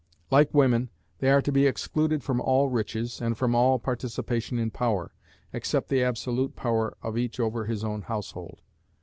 Like women, they are to be excluded from all riches, and from all participation in power (except the absolute power of each over his own household).